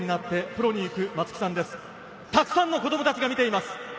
たくさんの子供たちが見ています。